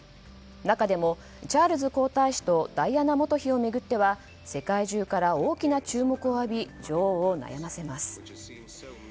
中でもチャールズ皇太子とダイアナ元妃を巡っては世界中から大きな注目を浴び女王を悩ませます。